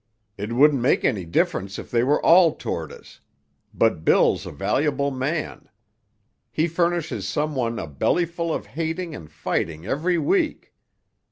"It wouldn't make any difference if they were all Tortas; but Bill's a valuable man. He furnishes some one a bellyful of hating and fighting every week.